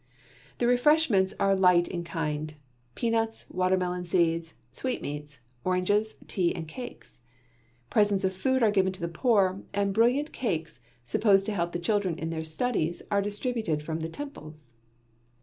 The refreshments are light in kind peanuts, watermelon seeds, sweetmeats, oranges, tea and cakes. Presents of food are given to the poor, and "brilliant cakes," supposed to help the children in their studies, are distributed from the temples.